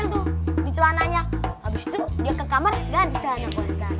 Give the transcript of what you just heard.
ganti celananya pak ustadz